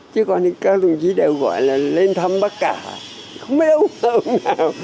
chứ còn thì các công chí đều gọi là lên thăm bất cả không biết ông nào